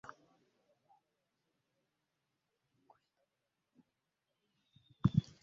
Ggwe gwe mbadde ŋŋamba nga towulira.